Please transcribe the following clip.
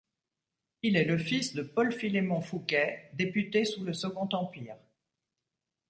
Il est le fils de Paul-Philémon Fouquet, député sous le Second Empire.